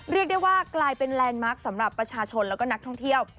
เรียกได้ว่ากลายเป็นแลนด์มาร์คสำหรับประชาชนแล้วก็นักท่องเที่ยว